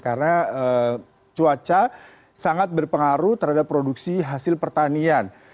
karena cuaca sangat berpengaruh terhadap produksi hasil pertanian